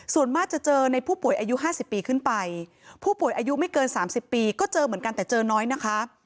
ส่วนมากจะเจอในผู้ป่วยอายุ๕๐ปีขึ้นไปผู้ป่วยอายุไม่เกิน๓๐ปีก็เจอเหมือนกันแต่เจอน้อยนะคะ